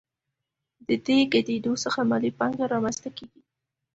د دې ګډېدو څخه مالي پانګه رامنځته کېږي